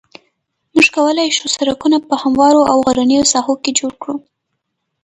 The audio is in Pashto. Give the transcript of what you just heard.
موږ کولای شو سرکونه په هموارو او غرنیو ساحو کې جوړ کړو